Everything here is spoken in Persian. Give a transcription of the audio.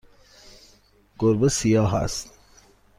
گربه سیاه است.